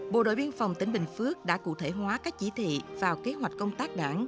bộ đội biên phòng tỉnh bình phước đã cụ thể hóa các chỉ thị vào kế hoạch công tác đảng